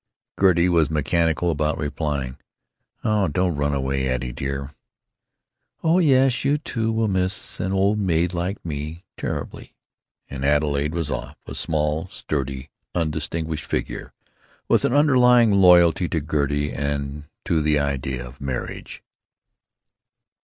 Gertie was mechanical about replying. "Oh, don't run away, Addy dear." "Oh yes, you two will miss an old maid like me terribly!" And Adelaide was off, a small, sturdy, undistinguished figure, with an unyielding loyalty to Gertie and to the idea of marriage.